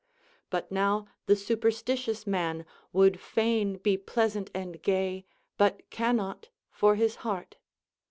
But now the superstitious man would fain be pleasant and gay, but can not for his heart.